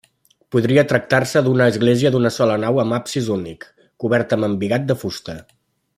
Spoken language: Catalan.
Podria tractar-se d'una església d'una sola nau amb absis únic, coberta amb embigat de fusta.